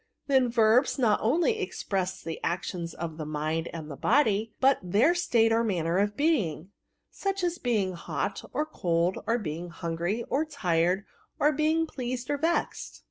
Then, verbs not only express the actions of the mind and of the body, but their state VBRBB. 58 or manner of being; such aS| being hot^ or cold^ or being hungry^ or tired, or being pleasedf or vexed.